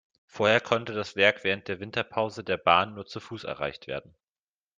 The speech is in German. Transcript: Vorher konnte das Werk während der Winterpause der Bahn nur zu Fuss erreicht werden.